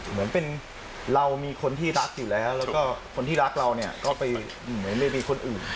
เหมือนเป็นเรามีคนที่รักอยู่แล้วแล้วก็คนที่รักเราเนี่ยก็ไปเหมือนไม่มีคนอื่น